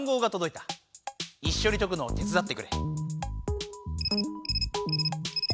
いっしょに解くのを手つだってくれ。